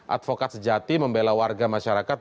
advokat sejati membela warga masyarakat